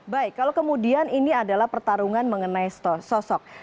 baik kalau kemudian ini adalah pertarungan mengenai sosok